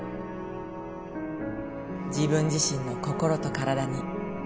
自分自身の心と体に